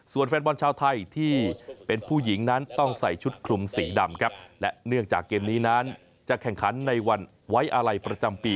ส่วนแฟนบอลชาติใทยที่เป็นผู้หญิงนั้นต้องใส่ชุดคลุมสีดำครับ